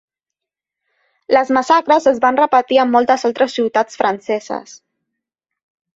Les massacres es van repetir en moltes altres ciutats franceses.